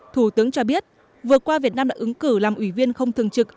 thủ tướng cho biết vừa qua việt nam đã ứng cử làm ủy viên không thường trực